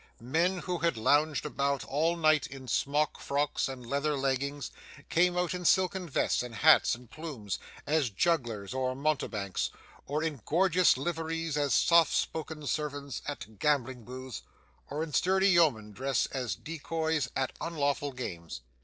Men who had lounged about all night in smock frocks and leather leggings, came out in silken vests and hats and plumes, as jugglers or mountebanks; or in gorgeous liveries as soft spoken servants at gambling booths; or in sturdy yeoman dress as decoys at unlawful games.